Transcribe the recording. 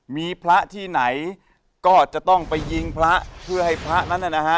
มีพระที่ไหนก็จะต้องไปยิงพระเพื่อให้พระนั้นนะฮะ